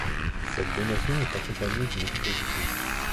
Cette donation est accompagnée d'une exposition.